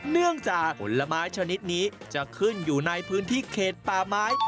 เนื่องจากผลไม้ชนิดนี้จะขึ้นอยู่ในพื้นที่เขตป่าไม้